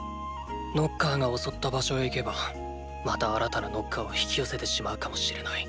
ノッカーが襲った場所へ行けばまた新たなノッカーを引き寄せてしまうかもしれない。